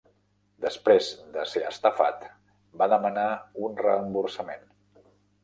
Després de ser estafat, va demanar un reembossament.